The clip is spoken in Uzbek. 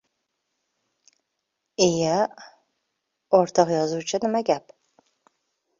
— Iya, ha, o‘rtoq «yozuvchi?» Nima gap?..